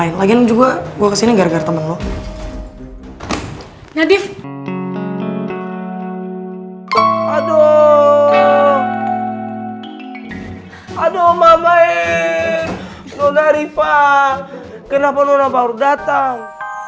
nona rifa kenapa nona baru datang